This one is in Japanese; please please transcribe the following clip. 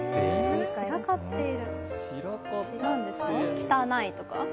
汚いとか？